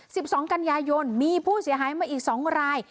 สิบสองกันยายนมีผู้เสียหายมาอีกสองราย